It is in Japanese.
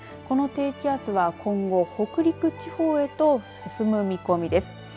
この低気圧は、今後北陸地方へと進む見込みです。